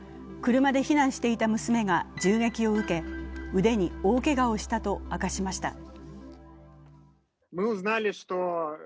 車で避難していた娘が銃撃を受け腕に大けがをしたと明かしました。